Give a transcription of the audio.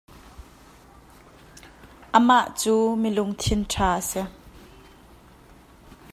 Amah cu mi lungthin ṭha a si.